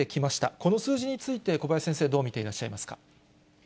この数字について、小林先生はどう見ていらっしゃいますか。